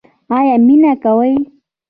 ایا مینه کوئ؟